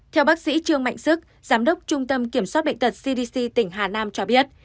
theo bác sĩ trương mạnh sức giám đốc trung tâm kiểm soát bệnh tật cdc tỉnh hà nam cho biết